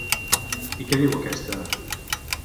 I què diu aquesta?